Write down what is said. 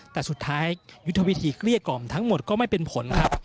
แต่สุดท้ายยุทธวิธีเกลี้ยกล่อมทั้งหมดก็ไม่เป็นผลครับ